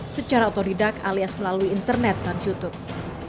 secara otodidak alias melalui internet dan youtube